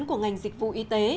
của ngành dịch vụ y tế